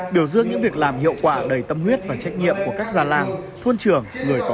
biểu dương những việc làm hiệu quả đầy tâm huyết và trách nhiệm của các ra làng